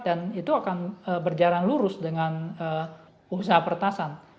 dan itu akan berjalan lurus dengan usaha pertasan